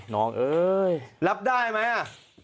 เอ้ยรับได้ไหมอ่ะ